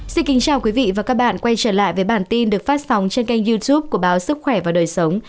xin kính chào quý vị và các bạn quay trở lại với bản tin được phát sóng trên kênh youtube của báo sức khỏe và đời sống